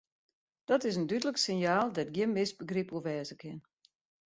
Dat is in dúdlik sinjaal dêr't gjin misbegryp oer wêze kin.